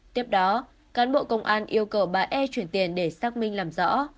tiếp đó cán bộ công an yêu cầu bà e chuyển tiền để xác minh làm rõ